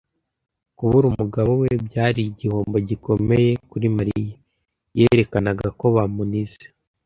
Kubura umugabo we byari igihombo gikomeye kuri Mariya.yerekanaga ko bamunize.